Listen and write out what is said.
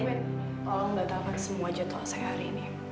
mil tolong gak tahan semua jadwal saya hari ini